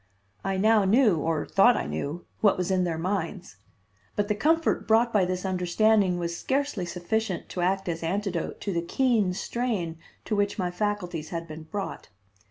I now knew, or thought I knew, what was in their minds; but the comfort brought by this understanding was scarcely sufficient to act as antidote to the keen strain to which my faculties had been brought.